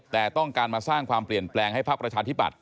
แต่ต้องการมาสร้างความเปลี่ยนแปลงให้พักประชาธิบัติ